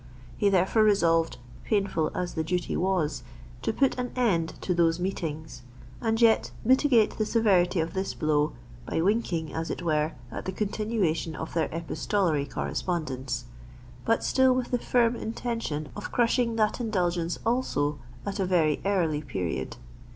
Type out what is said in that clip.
He therefore resolved, painful as the duty was, to put an end to those meetings, and yet mitigate the severity of this blow by winking, as it were, at the continuation of their epistolary correspondence—but still with the firm intention of crushing that indulgence also at a very early period.